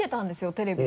テレビで。